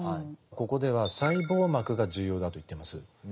ここでは細胞膜が重要だと言っています。